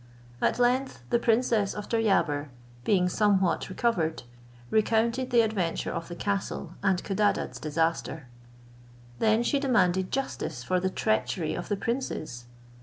At length the princess of Deryabar, being somewhat recovered, recounted the adventure of the castle, and Codadad's disaster. Then she demanded justice for the treachery of the princes.